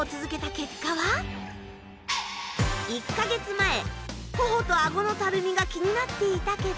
１か月前頬と顎のたるみが気になっていたけど。